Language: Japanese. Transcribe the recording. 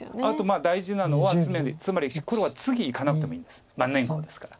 あと大事なのはつまり黒は次いかなくてもいいんです。